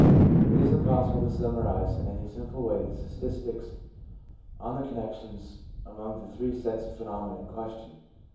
It is impossible to summarise in any simple way the statistics on the connections among the three sets of phenomena in question.